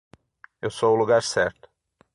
Eu sou o lugar certo.